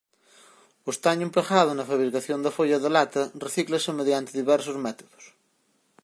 O estaño empregado na fabricación da folla de lata recíclase mediante diversos métodos.